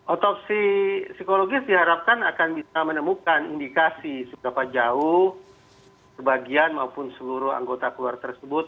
otopsi psikologis diharapkan akan bisa menemukan indikasi seberapa jauh sebagian maupun seluruh anggota keluar tersebut